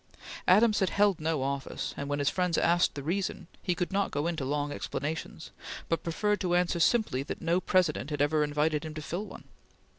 Adams had held no office, and when his friends asked the reason, he could not go into long explanations, but preferred to answer simply that no President had ever invited him to fill one.